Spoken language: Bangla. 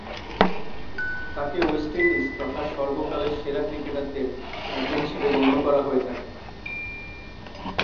তাকে ওয়েস্ট ইন্ডিজ তথা সর্বকালের সেরা ক্রিকেটারদের একজন হিসেবে গণ্য করা হয়ে থাকে।